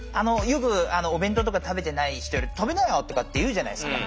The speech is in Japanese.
よくお弁当とか食べてない人に「食べなよ」とかって言うじゃないですか。